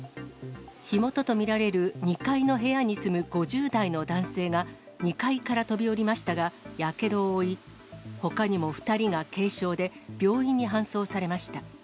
火元と見られる２階の部屋に住む５０代の男性が、２階から飛び降りましたが、やけどを負い、ほかにも２人が軽傷で、病院に搬送されました。